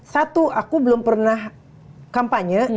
satu aku belum pernah kampanye